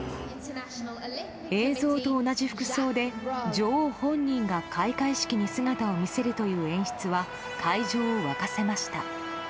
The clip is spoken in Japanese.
映像と同じ服装で、女王本人が開会式に姿を見せるという演出は会場を沸かせました。